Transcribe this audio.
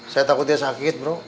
saya takut dia sakit bro